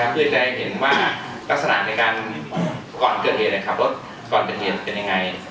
เพื่อจะได้เห็นว่าลักษณะในการก่อนเกิดเหตุขับรถก่อนเกิดเหตุเป็นยังไง